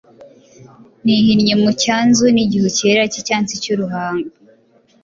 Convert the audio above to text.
Nihinnye mu cyanzu n’igihu cyera cy’icyansi cy’uruhanga ,